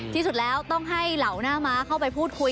ที่สุดแล้วต้องให้เหล่าหน้าม้าเข้าไปพูดคุย